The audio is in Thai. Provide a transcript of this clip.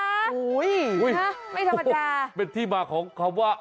โอ้ฮุยฮูยนะไม่ธรรมดาเป็นที่มาของคำว่า